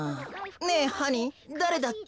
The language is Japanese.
ねえハニーだれだっけ？